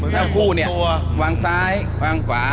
ทั้งคู่เนี่ยวางซ้ายวางขวา